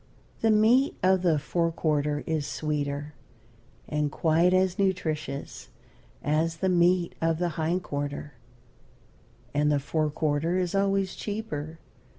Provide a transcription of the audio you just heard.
The meat of the fore quarter is sweeter, and quite as nutritious as the meat of the hind quarter, and the fore quarter is always cheaper.